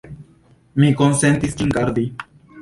Mi konsentis ĝin gardi.